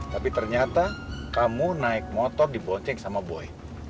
tapi ternyata kamu naik motor dibonceng sama boy